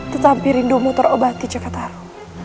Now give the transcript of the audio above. tetapi rindumu terobati cakataru